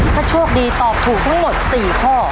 ถ้าโชคดีตอบถูกทั้งหมด๔ข้อ